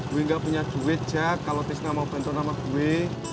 gue nggak punya duit jack kalau tisak mau bantu sama gue